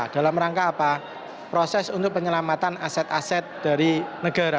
dalam rangka apa proses untuk penyelamatan aset aset dari negara